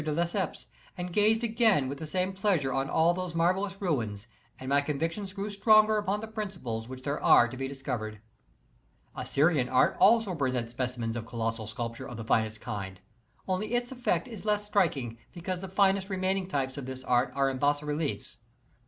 de Lesseps and gazed again with the same pleasure on all Ill • !': ST I I' those marvellous ruins, and my convictions grew stronger upon the principles which are there to be discovered.* Assyrian art also presents specimens of colossal sculp ture of the finest kind, only its effect is less striking because the finest remaining types of this art are in bas reliefs.